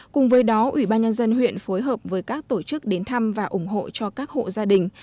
cùng với đó ủy ban nhân dân huyện phối hợp với các tổ chức đến thăm và ủng hộ cho các hộ gia đình